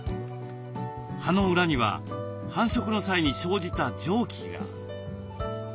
葉の裏には繁殖の際に生じた蒸気が。